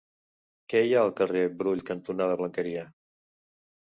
Què hi ha al carrer Brull cantonada Blanqueria?